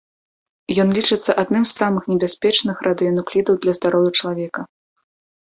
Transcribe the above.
Ён лічыцца адным з самых небяспечных радыенуклідаў для здароўя чалавека.